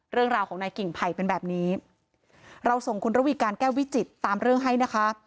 เรื่องราวของนายกิ่งไผ่เป็นแบบนี้เราส่งคุณระวีการแก้ววิจิตตามเรื่องให้นะคะ